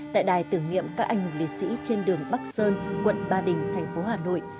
tại đài tưởng niệm các anh hùng liệt sĩ trên đường bắc sơn quận ba đình tp hà nội